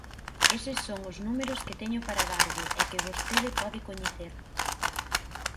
Eses son os números que teño para darlle e que vostede pode coñecer.